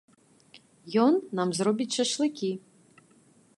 Ён нам зробіць шашлыкі.